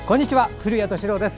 古谷敏郎です。